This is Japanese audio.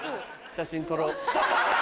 写真撮ろう。